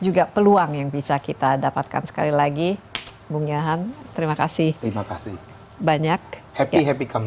juga peluang yang bisa kita dapatkan sekali lagi bung ya han terima kasih banyak happy happy come